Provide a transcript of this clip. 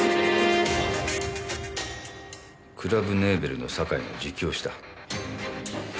クラブネーベルの酒井が自供した。